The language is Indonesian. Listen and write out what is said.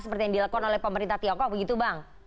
seperti yang dilakukan oleh pemerintah tiongkok begitu bang